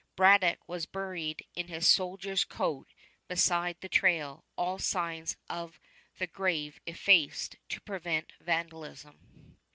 Braddock was buried in his soldier's coat beside the trail, all signs of the grave effaced to prevent vandalism.